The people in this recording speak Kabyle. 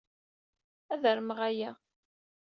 Ad armeɣ aya.